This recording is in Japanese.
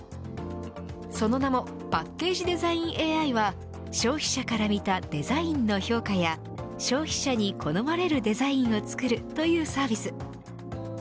その名もパッケージデザインＡＩは消費者から見たデザインの評価や消費者に好まれるデザインを作るというサービス。